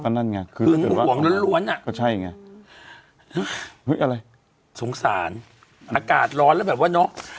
เพราะนั่นไงคือห่วงล้วนล้วนอ่ะก็ใช่ไงอะไรสงสารอากาศร้อนแล้วแบบว่าน้อง